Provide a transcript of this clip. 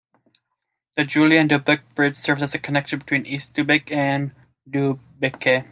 The Julien Dubuque Bridge serves as the connection between East Dubuque and Dubuque.